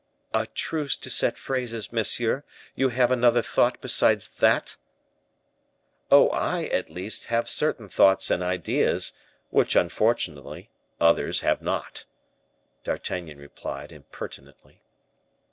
"A truce to set phrases, monsieur; you have another thought besides that?" "Oh, I, at least, have certain thoughts and ideas, which, unfortunately, others have not," D'Artagnan replied, impertinently.